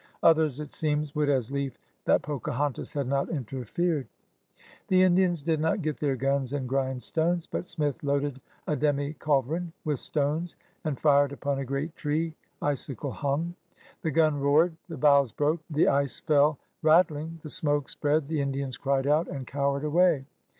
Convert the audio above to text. Others, it seems, would as lief that Pocahontas had not interfered. The Indians did not get their guns and grind stones. But Smith loaded a demi culverin with stones and fired upon a great tree, icicle hung. The gim roared, the boughs broke, the ice fell rattling, the smoke spread, the Indians cried out and cowered away.